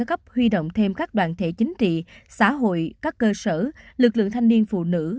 cấp huy động thêm các đoàn thể chính trị xã hội các cơ sở lực lượng thanh niên phụ nữ